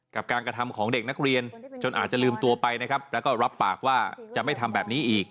กับการกระทำของเด็กนักเรียนจนอาจจะลืมตัวไปนะครับแล้วก็รับปากว่าจะไม่ทำแบบนี้อีก